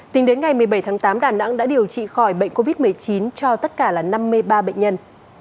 tính đến ngày một mươi bảy tháng tám đà nẵng đã điều trị khỏi bệnh covid một mươi chín cho tất cả là năm mươi ba bệnh nhân